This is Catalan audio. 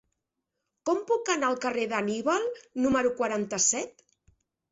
Com puc anar al carrer d'Anníbal número quaranta-set?